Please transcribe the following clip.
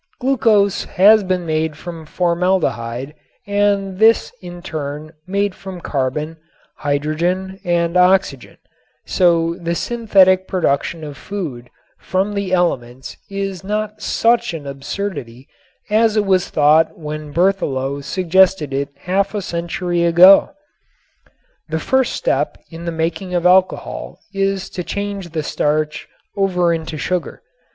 Glucose has been made from formaldehyde and this in turn made from carbon, hydrogen and oxygen, so the synthetic production of food from the elements is not such an absurdity as it was thought when Berthelot suggested it half a century ago. The first step in the making of alcohol is to change the starch over into sugar.